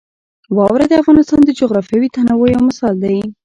واوره د افغانستان د جغرافیوي تنوع یو مثال دی.